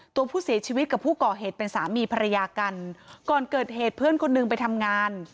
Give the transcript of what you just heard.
ตัวผู้เสียชีวิตกับผู้ก่อเหตุเป็นสามีภรรยากันก่อนเกิดเหตุเพื่อนคนหนึ่งไปทำงาน